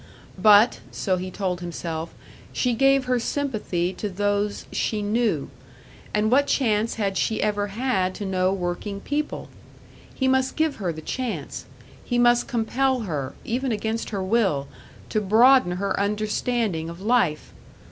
But so he told himself she gave her sympathy to those she knew; and what chance had she ever had to know working people? He must give her the chance; he must compel her, even against her will, to broaden her understanding of life!